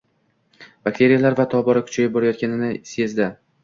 bakteriyalar esa tobora kuchayib borayotganini sezdi.